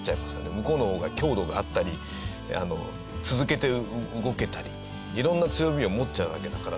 向こうの方が強度があったり続けて動けたり色んな強みを持っちゃうわけだから。